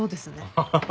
ハハハハ。